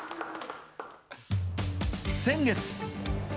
先月。